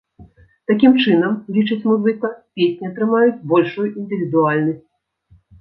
Такім чынам, лічыць музыка, песні атрымаюць большую індывідуальнасць.